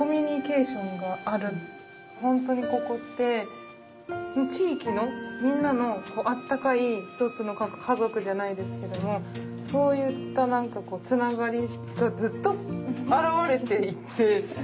本当にここって地域のみんなのあったかい一つの家族じゃないですけどもそういった何かつながりがずっと表れていて。